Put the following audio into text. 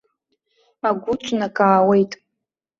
Агәы ҿнакаауеит.